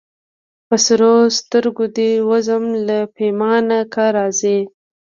په سرو سترګو دي وزم له پیمانه که راځې